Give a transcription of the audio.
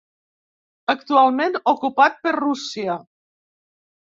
Actualment ocupat per Rússia.